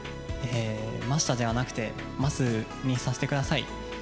ましたではなくて、ますにさせてください。